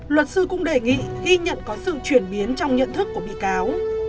luật sư cũng đề nghị ghi nhận có sự chuyển biến trong nhận thức của bị cáo